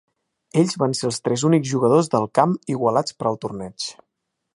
Ells van ser els tres únics jugadors del camp igualats per al torneig.